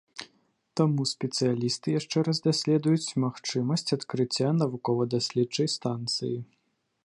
Там спецыялісты яшчэ раз даследуюць магчымасць адкрыцця навукова-даследчай станцыі.